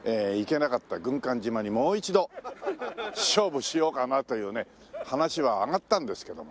行けなかった軍艦島にもう一度勝負しようかなというね話は上がったんですけどもね